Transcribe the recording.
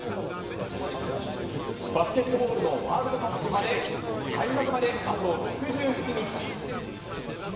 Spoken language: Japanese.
バスケットボールのワールドカップまで、開幕まであと６７日。